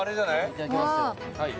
いただきますわあ